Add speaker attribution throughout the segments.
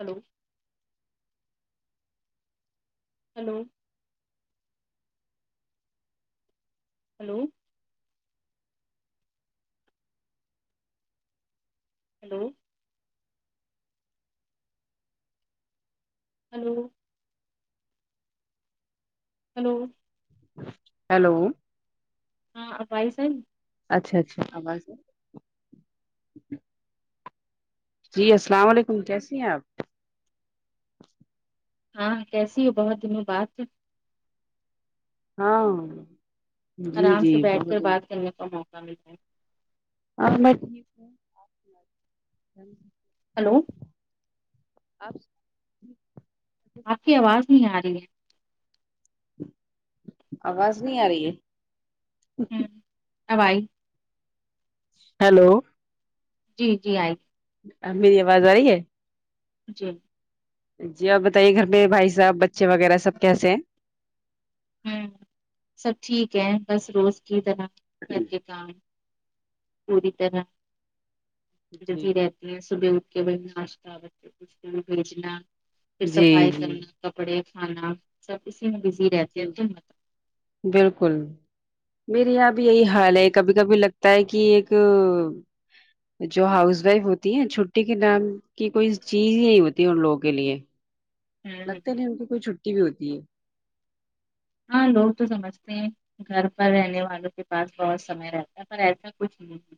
Speaker 1: Hello hello hello hello hello hello
Speaker 2: hello
Speaker 1: ہاں اب آی صحیح
Speaker 2: اچھا اچھا آواز جی السلام علیکم کیسی ہیں آپ
Speaker 1: ہاں کیسی ہو بہت دنوں بات
Speaker 2: ہاں جی
Speaker 1: آرام
Speaker 2: جی
Speaker 1: سے بیٹھ کر
Speaker 2: بہت
Speaker 1: بات
Speaker 2: ہاں
Speaker 1: کرنے کا موقع مل جاے
Speaker 2: آب میں ٹھیک سمجھی
Speaker 1: ہیلو
Speaker 2: اب
Speaker 1: آپ کی آواز نہیں آ رہی ہے
Speaker 2: آواز نہیں آ رہی ہے
Speaker 1: اب ائی
Speaker 2: ہیلو
Speaker 1: جی جی آئی
Speaker 2: اب میری آواز آئی ہے
Speaker 1: جی
Speaker 2: جی آپ بتائیے گھر میں بھائی صاحب بچے وغیرہ سب کیسے ہیں
Speaker 1: ہوں سب ٹھیک ہے بس روز کی طرح گھر کے کام پوری طرح
Speaker 2: جی
Speaker 1: بزی رہتی صبح اٹھ کے بیٹھنا ناشتہ بچوں کو اسکول بھیجنا پھر
Speaker 2: جی
Speaker 1: صفائی
Speaker 2: جی
Speaker 1: کرنا کپڑے کھانا سب اسی میں بس
Speaker 2: جی بالکل میرے یہاں بھی یہی حال ہے کبھی کبھی لگتا ہے کہ ایک جو ہاؤس وائف ہوتی ہیں چھٹی کے نام کی کوئی چیز ہی نہیں ہوتی ہے ان لوگوں کے لیے
Speaker 1: ہوں
Speaker 2: لگتے نہیں ان کی کوئی چھٹی بھی ہوتی ہے
Speaker 1: ہاں لوگ تو سمجھتے ہیں گھر پر رہنے والوں کے پاس بہت سمے رہتا ہے پر ایسا کچھ نہیں ہے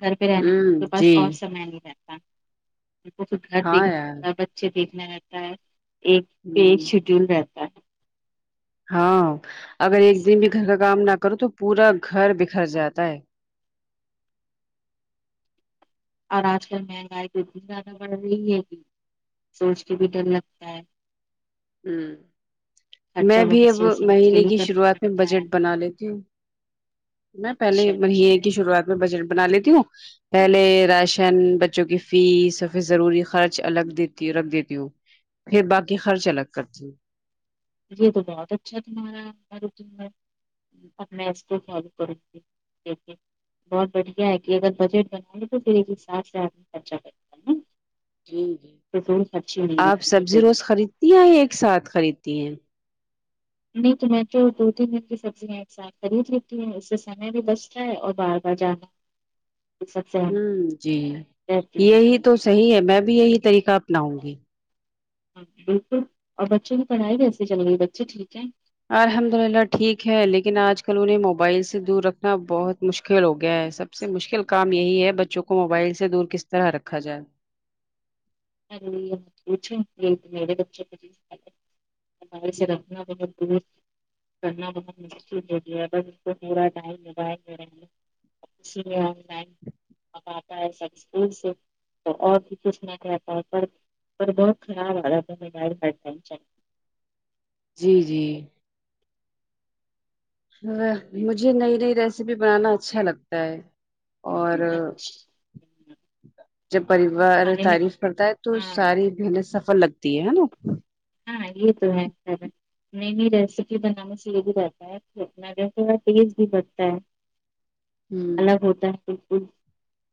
Speaker 1: گھر پہ رہنے کے
Speaker 2: ہوں
Speaker 1: پاس
Speaker 2: جی
Speaker 1: اور سمے نہیں رہتا اور پھر گھر
Speaker 2: ہاں
Speaker 1: دیکھنا
Speaker 2: یار
Speaker 1: ہوتا بچہ ے دیکھنا رہتا ہے ایک ایک
Speaker 2: ہوں
Speaker 1: شیڈیول رہتا ہے
Speaker 2: ہاں اگر ایک
Speaker 1: ہے
Speaker 2: دن بھی گھر کا کام نہ کروں تو پورا گھر بکھر جاتا ہے
Speaker 1: اور آج کل مہنگائی تو اتنی زیادہ بڑھ رہی ہے کے سوچ کے بھی ڈر لگتا ہے
Speaker 2: ہوں
Speaker 1: خرچہ
Speaker 2: میں بھی
Speaker 1: بہت
Speaker 2: اب
Speaker 1: سوچ سمجھ کے
Speaker 2: مہینے
Speaker 1: ہی
Speaker 2: کی
Speaker 1: کرنا
Speaker 2: شروعات میں
Speaker 1: پڑتا ہے
Speaker 2: بجٹ بنا لیتی ہوں میں پہلے
Speaker 1: اچھا اچھا
Speaker 2: مہینے کی شروعات میں بجٹ بنا لیتی ہوں پہلے راشن بچوں کی فیس اور پھر ضروری خرچ الگ دیتی رکھ دیتی ہوں پھر باقی خرچ الگ کرتی ہوں
Speaker 1: یہ تو بہت اچھا تمہارا آپ کا روٹین ہے اب میں اسکو فالو کر ونگی دیکھ کے بہت بڑھیا ہے کہ اگر بجٹ بنا لے تو پھر ایک حساب سے آدمی خرچہ کرے
Speaker 2: جی جی
Speaker 1: خرچی نہیں
Speaker 2: آپ
Speaker 1: ہوتی ہے پھر
Speaker 2: سبزی روز خریدتی ہیں یا ایک ساتھ خریدتی ہیں
Speaker 1: میں تو میں تو دو تین دن کی سبزیاں ایک ساتھ خرید لیتی ہوں اس سے سمے بھی بچتا ہے اور بار بار جانا یہ سب سے اہمیت
Speaker 2: ہوں جی
Speaker 1: رہتی ہے
Speaker 2: یہی تو صحیح ہے میں بھی یہی طریقہ اپناؤں گی
Speaker 1: ہاں بالکل اور بچوں کی پڑھائی کیسے چلے رہی اور بچے ٹھیک ہیں
Speaker 2: الحمد للہ ٹھیک ہے لیکن آج کل انہیں موبائل سے دور رکھنا بہت مشکل ہو گیا ہے سب سے مشکل کام یہی ہے بچوں کو موبائل سے دور کس طرح رکھا جائے
Speaker 1: ارے یہ مت پوچھو کیونکے میرے بچے بھی ضد کرتے موبائل سے رکھنا بہت دور کرنا بہت مشکل ہو گیا ہے بس اس کو پورا ٹائم موبائل میں رہینگے اچھی [unintelligible] اب آتا ہے سب اسکول سے تو اور بھی کچھ نہ کھا تا پر بہت خراب عادت ہے موبائل بر پل چیک
Speaker 2: جی جی ہا مجھے نئی نئی ریسیپی بنانا اچھا لگتا ہے اور
Speaker 1: اچھ
Speaker 2: جب پریوار تعریف کرتا ہے تو
Speaker 1: ہاں
Speaker 2: ساری محنت سف ل لگتی ہے ہے نا
Speaker 1: ہاں یہ تو ہے نئی نئی ریسیپی بنانے سے یہ بھی جاتا ہے سیکھنا چاہتے تو انٹرس بھی بڑھتا ہے
Speaker 2: ہوں
Speaker 1: الگ ہوتا ہے پھر پھر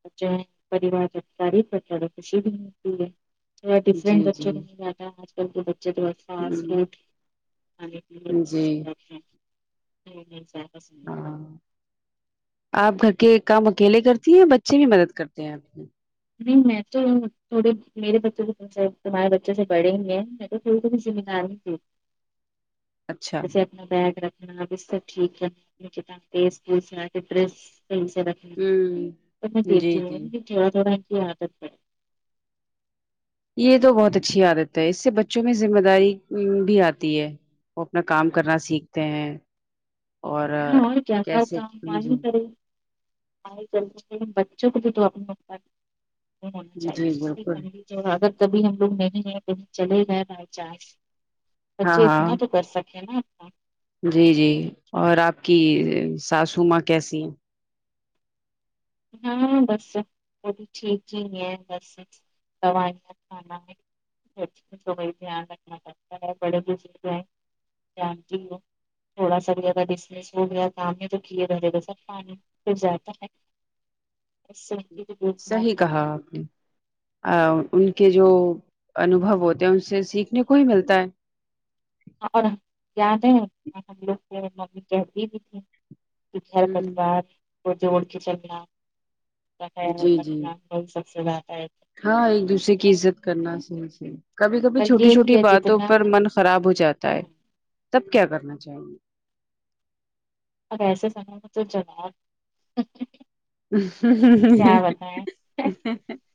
Speaker 1: بچے ہے پریوار ہے سارے کو اچھا لگے تو خوشی بھی ملتی ہے تھوڑا ڈفرنٹ
Speaker 2: جی جی
Speaker 1: بچوں نہیں جاتا آج کل کے بچے تھوڑا فاسٹ فوڈ مانگے
Speaker 2: ہ جی
Speaker 1: [unintelligible]
Speaker 2: ہاں آپ گھر کے کام اکیلے کرتی ہیں بچے بھی مدد کرتے ہیں آپ کے
Speaker 1: نہیں میں تو تھوڑے میرے بچوں کو تمہارے بچوں سے بڑے ہیں میں تو تھوڑے تو بھی ذمہ دار ہے
Speaker 2: اچھا
Speaker 1: جیسے اپنا بیگ رکھنا بستر ٹھیک کرنا کتاب تیز تیز رکھ پیس ر
Speaker 2: ہ جی جی
Speaker 1: تھا آ [unintelligible]
Speaker 2: یہ تو بہت اچھی عادت ہے اس سے بچوں میں ذمہ داری م بھی آتی ہے وہ اپنا کام کرنا سیکھتے ہیں اور
Speaker 1: ہاں اور کیا تھا
Speaker 2: کیسے
Speaker 1: کام معلوم
Speaker 2: جی
Speaker 1: کرے ل بچوں کو بھی دع نہیں ہونا
Speaker 2: جی بالکل
Speaker 1: چاہیے [unintelligible] جو اگر کبھی ہم لوگ نیلیور چلے گئے بائی چانس
Speaker 2: ہاں
Speaker 1: بچے اتنا
Speaker 2: ہاں
Speaker 1: تو کر سکے نا اپنا
Speaker 2: جی جی اور آپ کی ساسو ماں کیسی ہیں
Speaker 1: ہاں بس وہ بھی ٹھیک ہی ہے بس دوائیا کھانا ہے تو وہ دھیان رکھنا پڑتا ہے بڑے بزرگوں کینٹین تھوڑا سا بھی اگر بزنس ہو گیا کام ہے تو کیے رہے گا سر پانی پھر جاتا ہے اس سے دھیان
Speaker 2: صحیح کہا
Speaker 1: کرنا ہے
Speaker 2: آپ نے ان کے جو انو بھاؤ ہوتے ہیں ان سے سیکھنے کو ہی ملتا ہے
Speaker 1: اور یاد ہے ہم لوگ کے ممی چہتی بھی تھی گھر
Speaker 2: ہ
Speaker 1: پریوار کو جوڑ کے چلنا
Speaker 2: جی جی
Speaker 1: [unintelligible]
Speaker 2: ہاں ایک دوسرے کی عزت کرنا صحیح سے کبھی کبھی
Speaker 1: پر
Speaker 2: چھوٹی
Speaker 1: یہ
Speaker 2: چھوٹی
Speaker 1: کہ
Speaker 2: باتوں
Speaker 1: جتنا
Speaker 2: پر من خراب ہو جاتا ہے
Speaker 1: ہم-
Speaker 2: تب کیا کرنا چاہیے
Speaker 1: اب ایسے سمے میں تو چل آ کیا بتائیں
Speaker 2: ہاں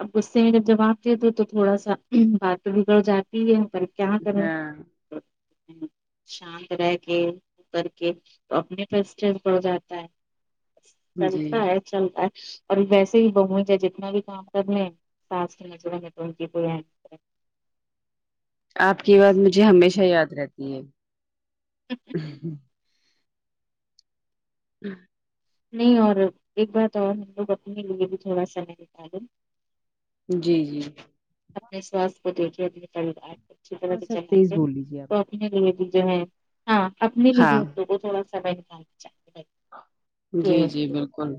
Speaker 1: اب غصے میں جواب دے دو تو تھوڑا سا بات تو بگڑ جاتی ہے کیا کرو شانت رہ کے کر کے اپنے پر اسٹیس بڑ جاتا ہے
Speaker 2: جی
Speaker 1: چلتا ہے چلتا اور ویسے ہی بھؤ سے جتنا بھی کام سب نے سانس ن چڑیں گے تو ان کی ب [unintelligible]
Speaker 2: آپ کی بات مجھے ہمیشہ یاد رہتی ہے ہوں
Speaker 1: نہیں اور ایک بات اور ہم لوگ اپنے لیے بھی تھوڑا سمے نکالو
Speaker 2: جی جی
Speaker 1: اپنے سواستھ کو دیکھ کے اپنے پریوار کو اچھی طرح
Speaker 2: تھوڑا
Speaker 1: سے
Speaker 2: سا
Speaker 1: چلا
Speaker 2: تیز
Speaker 1: کے
Speaker 2: بول لیجیے
Speaker 1: تو
Speaker 2: آپ
Speaker 1: اپنے لی جو ہے ہاں اپنے بھی
Speaker 2: ہاں
Speaker 1: بیوں کو تھوڑا سا بنتا
Speaker 2: جی جی بالکل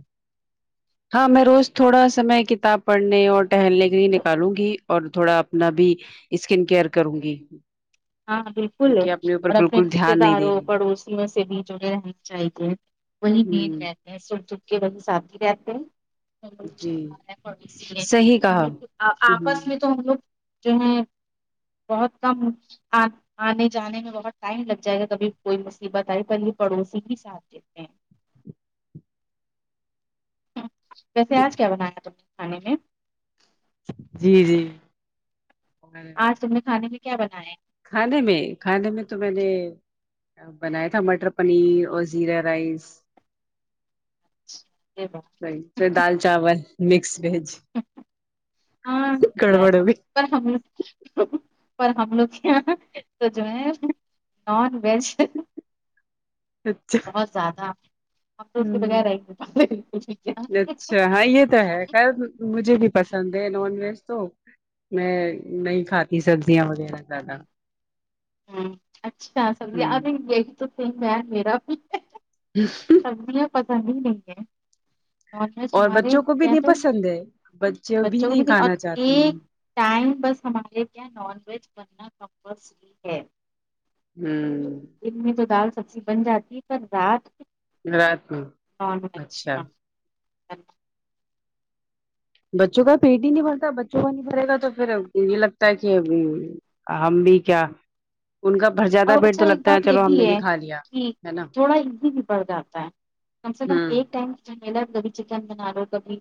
Speaker 2: ہاں میں روز تھوڑا سمے کتاب پڑھنے اور ٹہلنے کے لیے نکالوں گی اور تھوڑا اپنا بھی اسکین کیئر کروں گی
Speaker 1: ہاں بالکل
Speaker 2: کیونکہ اوپر
Speaker 1: اور اپنے
Speaker 2: بالکل
Speaker 1: رشتے
Speaker 2: دھیان نہیں دے
Speaker 1: داروں
Speaker 2: رہی
Speaker 1: پڑوسیوں سے بھی جو رہنی چاہیے وہی نیند
Speaker 2: ہوں
Speaker 1: رہتے ہیں سن سن کے وہی ساتھی رہتے ہیں
Speaker 2: جی
Speaker 1: اسی لیے
Speaker 2: صحیح
Speaker 1: [unintelligible] ہم
Speaker 2: کہا
Speaker 1: لوگ آپس میں تو
Speaker 2: ہوں
Speaker 1: ہم لوگ جو ہے بہت کم آنے جانے میں بہت ٹائم لگ جائے گا کبھی کوئی مصیبت آئی پڑوسی کی ساتھ ساتھ دیتے ہے ویسے آج کیا بنایا تم نے کھانے میں
Speaker 2: جی جی اور
Speaker 1: آج تم نے کھانے میں کیا بنایا ہیں
Speaker 2: کھانے میں کھانے میں تو میں نے بنایا تھا مٹر پنیر اور زیرا رائس
Speaker 1: اچھا یہ بات
Speaker 2: دال چاول مکس ویج
Speaker 1: ہاں
Speaker 2: گڑبڑ بھی
Speaker 1: پر ہم پر ہم لوگ یہاں تو جو ہے نان ویج
Speaker 2: اچھا
Speaker 1: بہت زیادہ ہم تو اس کے
Speaker 2: ہ
Speaker 1: بغیر رہ ہی نہیں پاتش کیا
Speaker 2: اچھا ہاں یہ تو ہے خیر مجھے بھی پسند ہے نان ویج تو میں نہیں کھاتی سبزیاں وغیرہ زیادہ
Speaker 1: ہ اچھا سبھی ارے
Speaker 2: ہ
Speaker 1: یہی تو ت [unintelligible] گ میرا بھی سبزیاں پسند ہی نہیں ہے نان ویج
Speaker 2: اور
Speaker 1: ہمارے
Speaker 2: بچوں کو بھی
Speaker 1: کیا
Speaker 2: نہیں
Speaker 1: تو
Speaker 2: پسند ہے بچے بھی
Speaker 1: بچوں کو
Speaker 2: نہیں
Speaker 1: اور
Speaker 2: کھانا چاہتے
Speaker 1: ایک
Speaker 2: ہیں
Speaker 1: ٹائم بس ہمارے کیا نان ویج بننا کمپلسری ہے
Speaker 2: ہوں
Speaker 1: دن میں تو دال سبزی بن جاتی ہے پر رات
Speaker 2: ہ رات میں
Speaker 1: نان وج
Speaker 2: اچھا
Speaker 1: ہاں
Speaker 2: بچوں کا پیٹ ہی نہیں بھرتا بچوں کا نہیں بھرے گا تو پھر یہ لگتا ہے کہ ہم بھی کیا ان کا بھر
Speaker 1: اور
Speaker 2: زیادہ پیٹ
Speaker 1: اچھا
Speaker 2: تو
Speaker 1: ایک
Speaker 2: لگتا ہے
Speaker 1: بات یہ
Speaker 2: چلو ہم
Speaker 1: بھی
Speaker 2: نے
Speaker 1: ہے
Speaker 2: کھا لیا
Speaker 1: کہ
Speaker 2: ہے نا
Speaker 1: تھوڑا ایزی بھی پڑ جاتا ہے کم سے کم
Speaker 2: ہ
Speaker 1: ایک ٹائم ملا کبھی چکن بنا رہی ہو کبھی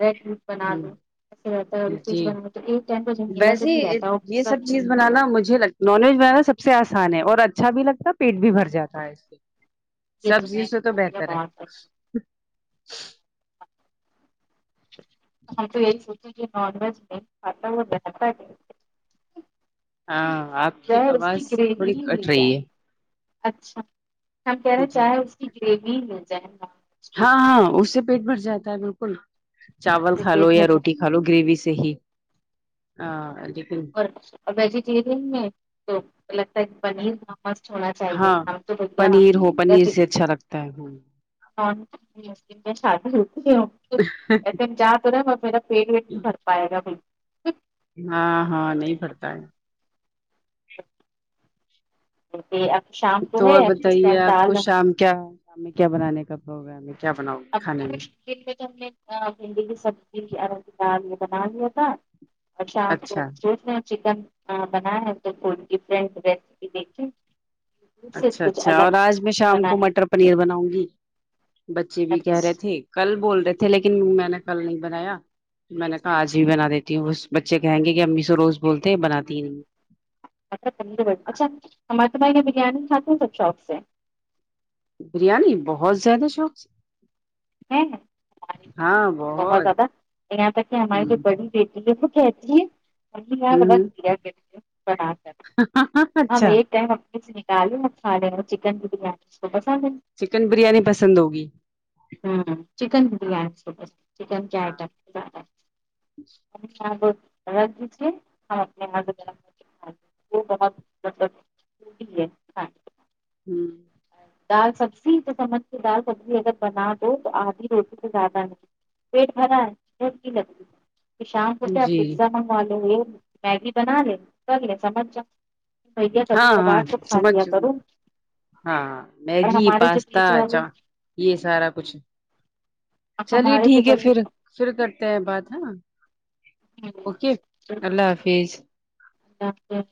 Speaker 1: ریڈ بنا
Speaker 2: ہ
Speaker 1: لو ایسے رہتا ہے
Speaker 2: جی
Speaker 1: فج بنا تو ایک ٹائم کا گیلا تو
Speaker 2: ویسے
Speaker 1: نہیں رہتا اور
Speaker 2: یہ
Speaker 1: سب
Speaker 2: چیز بنانا مجھے نان ویج بنانا سب سے آسان ہے اور اچھا بھی لگتا ہے پیٹ بھی بھر جاتا ہے سے
Speaker 1: یہ تو
Speaker 2: سبزیوں
Speaker 1: ہے
Speaker 2: سے بہتر ہے
Speaker 1: بہت [unintelligible] ہم تو یہی سوچے کہ نان ویج میں پاتا وہ رہتا ہے
Speaker 2: ہاں آپ
Speaker 1: چاہے اس کی
Speaker 2: آواز
Speaker 1: گریوی
Speaker 2: تھوڑی
Speaker 1: ہی مل
Speaker 2: کٹ
Speaker 1: جائے
Speaker 2: رہی ہے
Speaker 1: اچھا ہم کہہ رہے
Speaker 2: جی
Speaker 1: چاہے اس کی گریوی مل جائے کے،
Speaker 2: ہاں ہاں اس سے پیٹ بھر جاتا ہے بالکل چاول
Speaker 1: جو
Speaker 2: کھا لو
Speaker 1: پیٹ
Speaker 2: یا
Speaker 1: بھر
Speaker 2: روٹی
Speaker 1: جائے
Speaker 2: کھا لو گریوی سے صییح ہاں لیکن
Speaker 1: ویجیٹییرن میں تو لگتا ہے پنیر مسٹ ہونا چاہیے
Speaker 2: ہاں
Speaker 1: ہم تو بھیا ہ
Speaker 2: پنیر ہو
Speaker 1: اگر
Speaker 2: پنیر
Speaker 1: ک
Speaker 2: سے اچھا لگتا ہے
Speaker 1: شادی ہوتی ایسے ج تو رہا میرا پیٹ ویٹ نہیں بھر پائے گا پھر
Speaker 2: ہاں ہاں نہیں بھرتا ہے
Speaker 1: اکشا [inaudible]
Speaker 2: تو اور بتائیے آپ کو شام کیا ہے شام میں کیا بنانے کا پروگرام ہے کیا بناؤں گے
Speaker 1: اب
Speaker 2: کھانے میں
Speaker 1: کچھ دن میں تو ہم نے بھنڈی کی سبزی ارب کی دال یہ بنا لیا تھا اچھا آپ کو سو چکن بنا ہے تو کوئی فرنٹ ریسیپی دیکھیں یوٹیوب سے
Speaker 2: اچھا
Speaker 1: کچھ
Speaker 2: اچھا اور
Speaker 1: الگ
Speaker 2: آج میں شام
Speaker 1: بنا
Speaker 2: کو
Speaker 1: ہے
Speaker 2: مٹر پنیر بناؤں گی بچے بھی کہہ رہے تھے کل بول رہے تھے لیکن میں نے کل نہیں بنایا میں نے کہا آج بھی بنا دیتی ہوں بس بچے کہیں گے کہ امی سو روز بولتے ہے بناتی ہی نہیں
Speaker 1: مٹر پنیر اچھا ہمار تو میںھائی میں بریانی کھاتی ہوں سب شوق سے
Speaker 2: بریانی بہت زیادہ شوق سے
Speaker 1: ہوں
Speaker 2: ہاں
Speaker 1: بہت زیادہ یہاں تک کہ ہماری جو
Speaker 2: ہوں
Speaker 1: بڑی بیٹی ہے وہ کہتی ہے
Speaker 2: ہوں ہوں۔
Speaker 1: آ
Speaker 2: اچھا
Speaker 1: ایک ٹم [unintelligible] دال مسالے اور چکن بریانی پسند ہے
Speaker 2: چکن بریانی پسند ہوگی
Speaker 1: ہمم چکن
Speaker 2: ہاں
Speaker 1: بریانی سے چکن
Speaker 2: ہاں
Speaker 1: کیاٹ زیادہ اپنے آگ رکھ دیجے ہم اپنے آگ جے [unintelligible] وہ بہت مطلب وٹی ہے کھانا
Speaker 2: ہوں
Speaker 1: دال سبزی تو سمجھ کے دال سبزی اگر بنا دو تو آدھی روٹی تو زیادہ نہیں پیٹ بھرا ہے ج لگتی [unintelligible] شام کو کیا آپ
Speaker 2: جی
Speaker 1: پیزا منگوا لو یہ میگی بنا لے کر لے سمجھ جاؤ بھیا کبھی
Speaker 2: ہاں
Speaker 1: کبھار
Speaker 2: ہاں
Speaker 1: تو کھا لیا
Speaker 2: سمجھ
Speaker 1: کرو
Speaker 2: ہاں
Speaker 1: اور
Speaker 2: میگی
Speaker 1: ہمارے جو
Speaker 2: پاستا
Speaker 1: بیچ والے
Speaker 2: چا یہ سارا کچھ چلیے
Speaker 1: ہمارے جو
Speaker 2: ٹھیک ہے
Speaker 1: بڑے
Speaker 2: پھر پھر کرتے ہیں بات ہاں
Speaker 1: ہیں
Speaker 2: اوکے اللہ حافظ
Speaker 1: ڈاکٹر